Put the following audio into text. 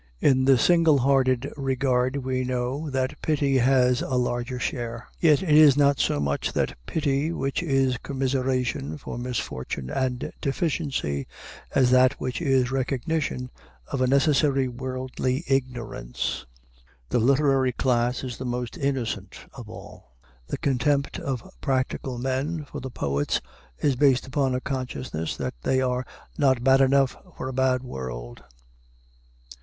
In the single hearted regard we know that pity has a larger share. Yet it is not so much that pity which is commiseration for misfortune and deficiency, as that which is recognition of a necessary worldly ignorance. The literary class is the most innocent of all. The contempt of practical men for the poets is based upon a consciousness that they are not bad enough for a bad world.